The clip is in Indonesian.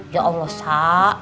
ya allah sa